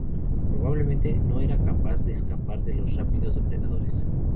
Probablemente no era capaz de escapar de los rápidos depredadores.